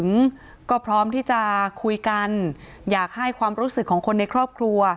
ผมก็พร้อมที่จะคุยกันอยากให้ความรู้สึกของคนในครอบครัว